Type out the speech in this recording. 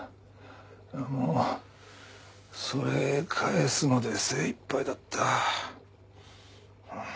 もうそれ返すので精いっぱいだった。